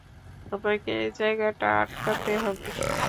আমাকে এ জায়গাটা আটকাতে হবে।